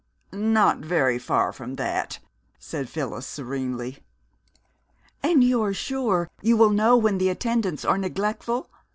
"Not very far from that," said Phyllis serenely. "And you are sure you will know when the attendants are neglectful?